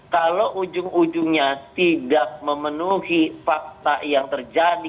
kalau ujung ujungnya tidak memenuhi fakta yang terjadi